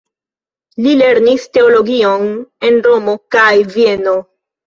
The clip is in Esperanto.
Li lernis teologion en Romo kaj Vieno.